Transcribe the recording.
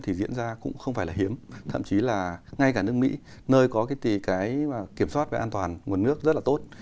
thì diễn ra cũng không phải là hiếm thậm chí là ngay cả nước mỹ nơi có cái kiểm soát về an toàn nguồn nước rất là tốt